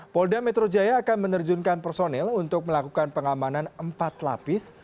polda metro jaya akan menerjunkan personel untuk melakukan pengamanan empat lapis